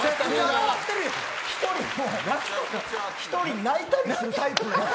１人泣いたりするタイプのやつ。